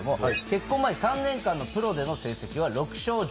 結婚前３年間のプロでの成績は６勝１０敗。